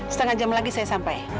setengah jam lagi saya sampai